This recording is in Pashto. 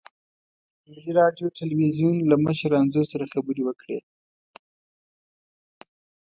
ملي راډیو تلویزیون له مشر انځور سره خبرې وکړې.